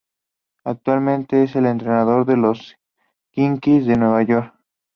Actualmente es el entrenador de los Knicks de Nueva York.